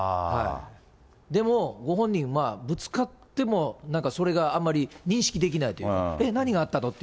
でも、ご本人は、ぶつかっても、なんかそれがあんまり認識できないというか、えっ？